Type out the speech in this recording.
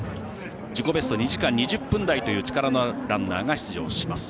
自己ベスト２時間２０分台という力のあるランナーが出場します。